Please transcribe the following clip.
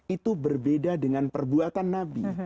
itu berbeda dengan perbuatan nabi